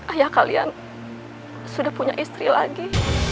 ayah kalian sudah punya istri lagi